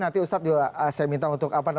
nanti ustaz saya minta untuk komentar